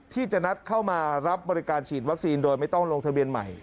ที่จะนัดเข้ามารับบริการฉีดวัคซีนโดยไม่ต้องลงทะเบียนใหม่